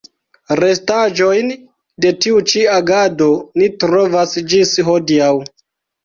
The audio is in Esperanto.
Restaĵojn de tiu ĉi agado ni trovas ĝis hodiaŭ.